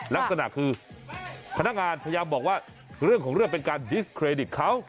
ลักษณะคือพนักงานพยายามบอกว่าเรื่องของเรื่องเป็นการดิสเครดิตเขา